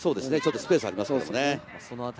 スペースがありますからね。